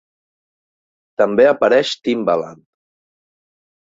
També apareix Timbaland.